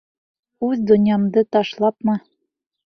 Үҙ донъямды ташлапмы?